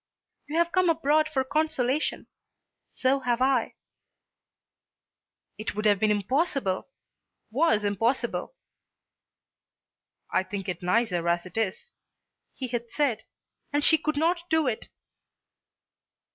"You have come abroad for consolation. So have I." It would have been impossible; was impossible. "I think it nicer as it is," he had said, and she could not do it.